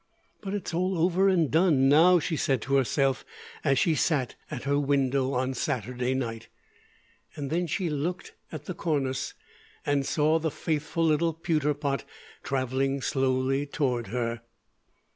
"But it's all over and done now," she said to herself as she sat at her window on Saturday night. And then she looked at the cornice, and saw the faithful little pewter pot traveling slowly toward her.